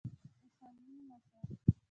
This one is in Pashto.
اوسني مشر